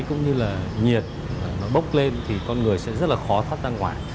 cũng như là nhiệt nó bốc lên thì con người sẽ rất là khó thoát ra ngoài